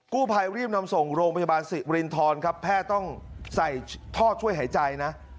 กู้ภัยรีบนำส่งโรงพยาบาลสิรินทรครับแพทย์ต้องใส่ท่อช่วยหายใจนะ